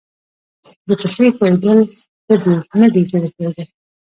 د پښې ښویېدل ښه دي نه د ژبې ښویېدل.